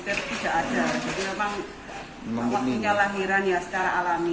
di rsud jombang latifatul menyebutkan